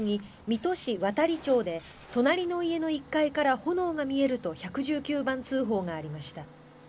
水戸市渡里町で隣の家の１階から炎が見えると１１９番通報がありました。